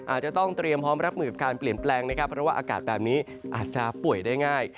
อาจจะต้องเตรียมพร้อมรับมือกับการเปลี่ยนแปลงนะครับเพราะว่าอากาศแบบนี้อาจจะป่วยได้ง่าย